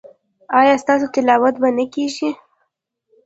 ایا ستاسو تلاوت به نه کیږي؟